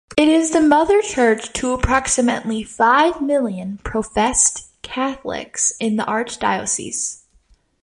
It is the mother church to approximately five million professed Catholics in the archdiocese.